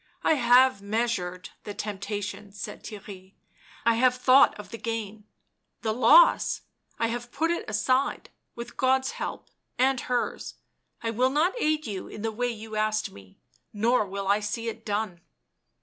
"I have measured the temptation," said Theirry; " I have thought of the gain — the loss — I have put it aside, with God's help and hers — I will not aid you in the way you asked me — nor will I see it done."